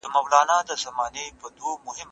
پاڼه د شاګرد لخوا د لوړ ږغ سره ړنګیږي.